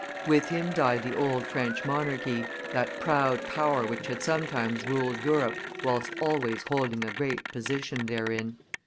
With him died the old French monarchy, that proud power which had sometimes ruled Europe whilst always holding a great position therein.